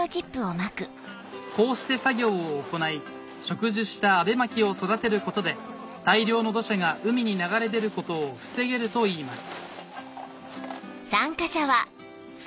こうして作業を行い植樹したアベマキを育てることで大量の土砂が海に流れ出ることを防げるといいます